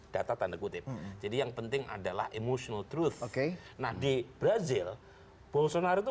data tanda kutip jadi yang penting adalah emotional truth oke nah di brazil bolsonar itu